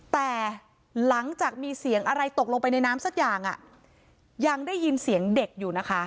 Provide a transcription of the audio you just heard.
แต่หลังจากมีเสียงอะไรตกลงไปในน้ำสักอย่างยังได้ยินเสียงเด็กอยู่นะคะ